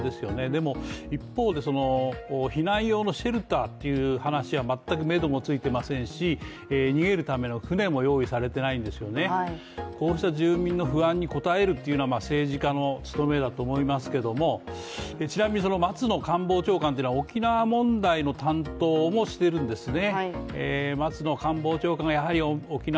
でも、一方で、避難用のシェルターという話は全くめどもついていませんし逃げるための船も用意されていないんですよねこうした住民の不安に応えるというのは政治家の務めだと思いますけれども、ちなみに松野官房長官は沖縄問題の担当もしているんですね。